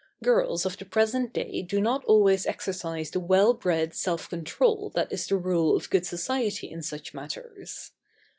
Girls of the present day do not always exercise the well bred self control that is the rule of good society in such matters.